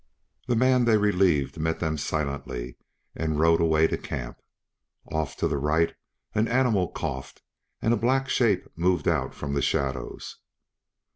The man they relieved met them silently and rode away to camp. Off to the right an animal coughed, and a black shape moved out from the shadows.